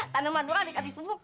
tanaman orang dikasih fufuk